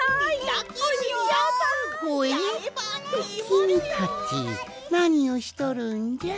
きみたちなにをしとるんじゃ？